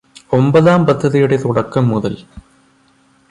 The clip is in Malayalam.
ഒമ്പതാം പദ്ധതിയുടെ തുടക്കം മുതൽ.